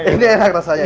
ini enak rasanya